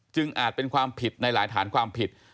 อาจเป็นความผิดในหลายฐานความผิด